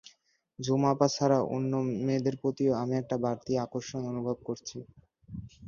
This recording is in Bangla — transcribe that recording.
ঝুমা আপা ছাড়াও অন্য মেয়েদের প্রতিও আমি একটা বাড়তি আকর্ষণ অনুভব করছি।